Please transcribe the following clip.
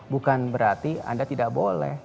bukan berarti anda tidak boleh